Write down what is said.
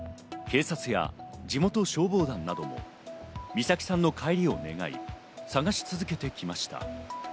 警察や地元消防団など、美咲さんの帰りを願い、捜し続けてきました。